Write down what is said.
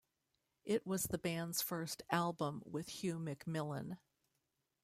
It was the band's first album with Hugh McMillan.